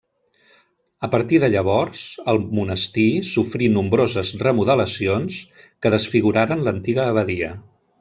A partir de llavors, el monestir sofrí nombroses remodelacions que desfiguraren l'antiga abadia.